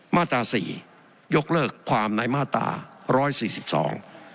มาตราสี่ยกเลิกความในมาตราร้อยสี่สิบสอง